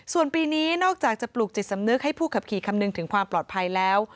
ส่วนปีนี้นอกจากจะปลูกจิตสำนึกให้ผู้ขับขี่คำนึงถึงความปลอดภัยแล้ว